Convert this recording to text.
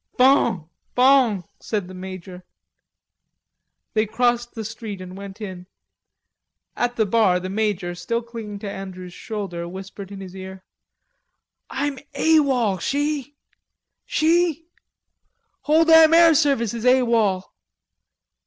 "Bon, bon," said the major. They crossed the street and went in. At the bar the major, still clinging to Andrews' shoulder, whispered in his ear: "I'm A. W. O. L., shee?... Shee?.... Whole damn Air Service is A. W. O. L.